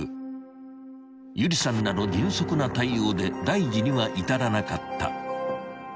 ［有理さんらの迅速な対応で大事には至らなかった］